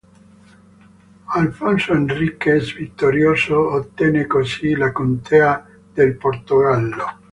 Alfonso Henriques vittorioso ottenne così la contea del Portogallo.